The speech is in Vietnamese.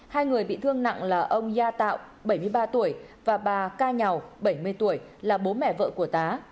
hai người bị thương nặng là ông ya tạo bảy mươi ba tuổi và bà ca nhào bảy mươi tuổi là bố mẹ vợ của tá